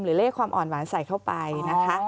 เลขความอ่อนหวานใส่เข้าไปนะคะ